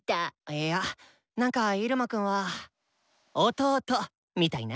いや何かイルマくんは弟？みたいな。